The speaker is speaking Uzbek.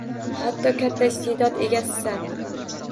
Hatto katta iste’dod egasisan.